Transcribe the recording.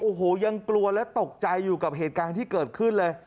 โอ้โหยังกลัวและตกใจอยู่กับเหตุการณ์ที่เกิดขึ้นเลย